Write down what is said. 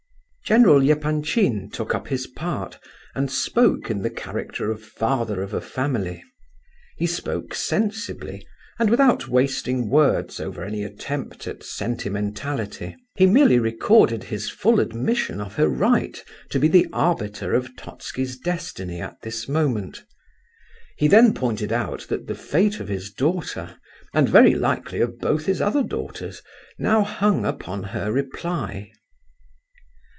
General Epanchin took up his part and spoke in the character of father of a family; he spoke sensibly, and without wasting words over any attempt at sentimentality, he merely recorded his full admission of her right to be the arbiter of Totski's destiny at this moment. He then pointed out that the fate of his daughter, and very likely of both his other daughters, now hung upon her reply.